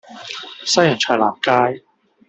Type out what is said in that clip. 西洋菜南街